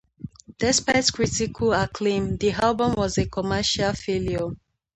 Despite critical acclaim, the album was a commercial failure.